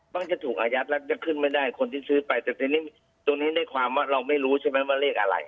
ก็จะถูกอายัดแล้วจะขึ้นไม่ได้คนที่ซื้อไปแต่ทีนี้ตรงนี้ในความว่าเราไม่รู้ใช่ไหมว่าเลขอะไร